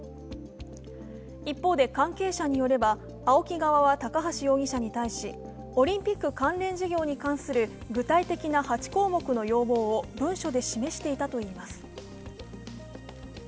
一方で関係者によればＡＯＫＩ側は高橋容疑者に対しオリンピック関連事業に関する具体的な８項目の要望を文書で示していたといいます。